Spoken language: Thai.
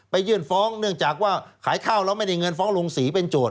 ยื่นฟ้องเนื่องจากว่าขายข้าวแล้วไม่ได้เงินฟ้องลงสีเป็นโจท